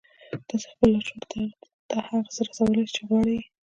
تاسې خپل لاشعور ته هغه څه رسولای شئ چې غواړئ يې.